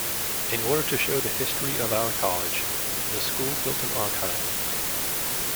In order to show the history of our college, the school built an archive.